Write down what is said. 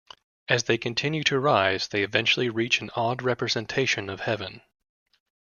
As they continue to rise, they eventually reach an odd representation of heaven.